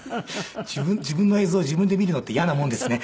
自分の映像自分で見るのって嫌なもんですね。